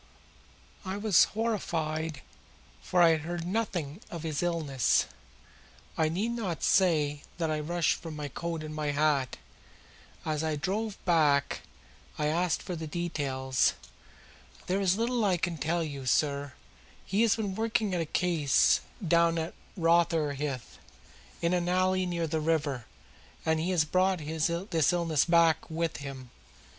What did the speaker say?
I was horrified for I had heard nothing of his illness. I need not say that I rushed for my coat and my hat. As we drove back I asked for the details. "There is little I can tell you, sir. He has been working at a case down at Rotherhithe, in an alley near the river, and he has brought this illness back with him.